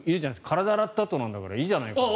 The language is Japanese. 体を洗ったあとなんだからいいじゃないかと。